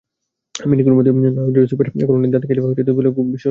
আমি নিকটবর্তী নয়াবাজার সুইপার কলোনির দোতলায় দাঁড়িয়ে চারদিকে গোলাগুলির ভীষণ গর্জন শুনলাম।